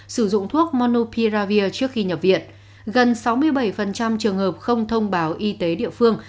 sử dụng thuốc monopiravir trước khi nhập viện gần sáu mươi bảy trường hợp không thông báo y tế địa phương